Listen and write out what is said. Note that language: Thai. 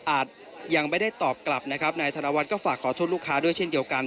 อาจยังไม่ได้ตอบกลับนะครับนายธนวัฒน์ก็ฝากขอโทษลูกค้าด้วยเช่นเดียวกัน